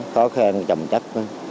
khó khen chầm chắc